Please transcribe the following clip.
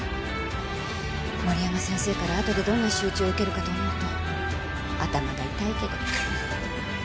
森山先生からあとでどんな仕打ちを受けるかと思うと頭が痛いけど。